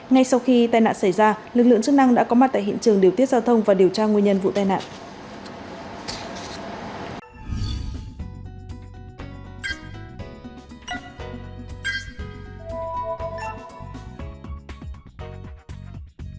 ngay sau khi tai nạn xảy ra lực lượng chức năng đã có mặt tại hiện trường điều tiết giao thông và điều tra nguyên nhân vụ tai nạn